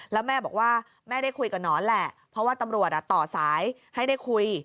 แล้วแม่บอกว่าแม่ได้คุยกับหนอนแหละเพราะว่าตำรวจต่อสายให้ได้คุย